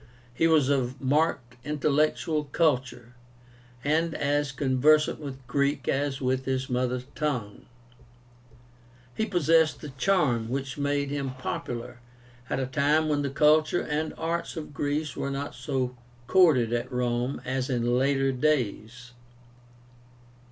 He was of marked intellectual culture, and as conversant with Greek as with his mother tongue. He possessed a charm which made him popular at a time when the culture and arts of Greece were not so courted at Rome as in later days.